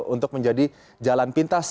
untuk menjadi jalan pintas